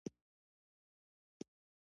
آیا د جنډې پورته کول د مزار شریف دود نه دی؟